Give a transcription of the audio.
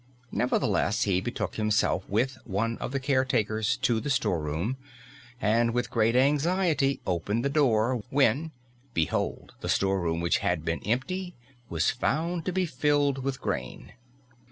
Nevertheless he betook himself with one of the care takers to the store room and, with great anxiety, opened the door, when, behold the store room which had been empty was found to be filled with grain.